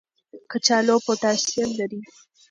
کچالو پوټاشیم لري.